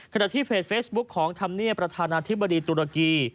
ที่เพจเฟซบุ๊คของธรรมเนียบประธานาธิบดีตุรกี